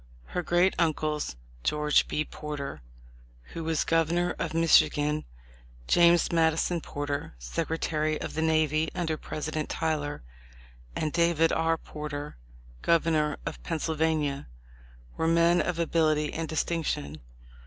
Her great uncles, George B. Porter, who was governor of Michigan, James Mad ison Porter, secretary of the navy under President Tyler, and David R. Porter, governor of Pennsyl vania, were men of ability and distinction.